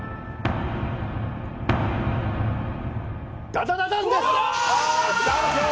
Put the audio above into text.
ダダダダンです。